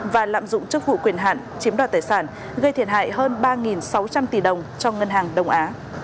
và lạm dụng chức vụ quyền hạn chiếm đoạt tài sản gây thiệt hại hơn ba sáu trăm linh tỷ đồng cho ngân hàng đông á